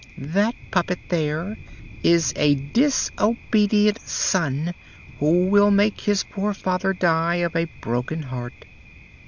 "That puppet there is a disobedient son who will make his poor father die of a broken heart!"